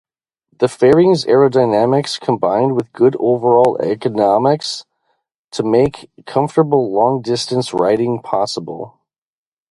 The fairing's aerodynamics combined with good overall ergonomics to make comfortable long-distance riding possible.